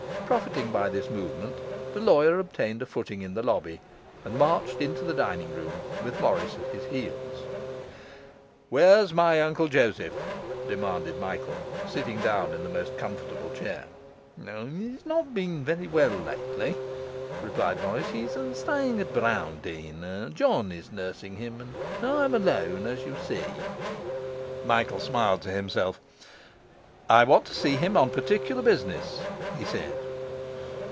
Profiting by this movement, the lawyer obtained a footing in the lobby and marched into the dining room, with Morris at his heels. 'Where's my Uncle Joseph?' demanded Michael, sitting down in the most comfortable chair. 'He's not been very well lately,' replied Morris; 'he's staying at Browndean; John is nursing him; and I am alone, as you see.' Michael smiled to himself. 'I want to see him on particular business,' he said.